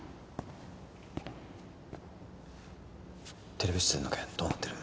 テレビ出演の件どうなってる？